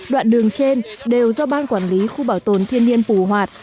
đoạn đường trên đều do ban quản lý khu bảo tồn thiên nhiên phù hoạt